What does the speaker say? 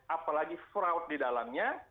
apalagi fraud di dalamnya